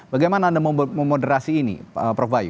bagaimana anda memoderasi ini prof bayu